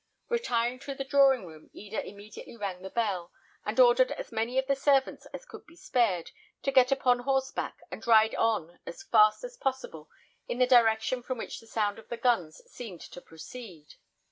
Retiring into the drawing room, Eda immediately rang the bell, and ordered as many of the servants as could be spared, to get upon horseback, and ride on as fast as possible in the direction from which the sound of the guns seemed to proceed.